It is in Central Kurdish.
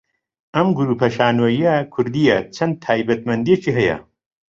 ئەم گروپە شانۆیییە کوردییە چەند تایبەتمەندییەکی هەیە